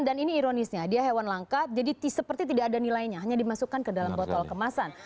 dan ini ironisnya dia hewan langka jadi seperti tidak ada nilainya hanya dimasukkan ke dalam botol kemasan